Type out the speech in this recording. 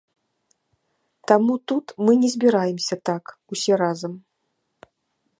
Таму тут мы не збіраемся так, усе разам.